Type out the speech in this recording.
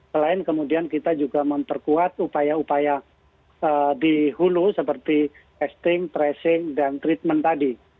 selain kemudian kita juga memperkuat upaya upaya di hulu seperti testing tracing dan treatment tadi